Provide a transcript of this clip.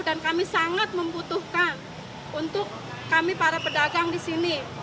dan kami sangat membutuhkan untuk kami para pedagang di sini